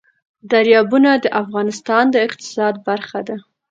دریابونه د افغانستان د اقتصاد برخه ده.